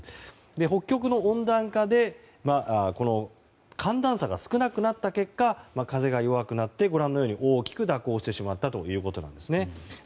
北極の温暖化で寒暖差が少なくなった結果風が弱くなって大きく蛇行してしまったと。